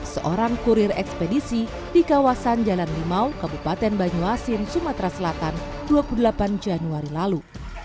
seorang kurir ekspedisi di kawasan jalan limau kabupaten banyuasin sumatera selatan dua puluh delapan januari lalu